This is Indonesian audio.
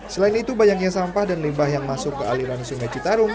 selain itu banyaknya sampah dan limbah yang masuk ke aliran sungai citarum